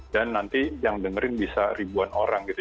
dan nanti yang dengerin bisa ribuan orang gitu